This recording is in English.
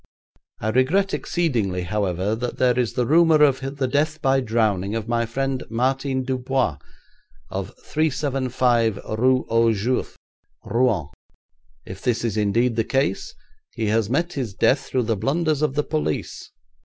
I regret exceedingly, however, that there is the rumour of the death by drowning of my friend Martin Dubois, of 375 Rue aux Juifs, Rouen. If this is indeed the case he has met his death through the blunders of the police.